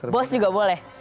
bos juga boleh